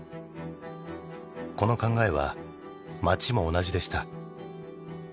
この考えは町も同じでした。